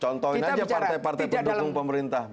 contohin aja partai partai pendukung pemerintah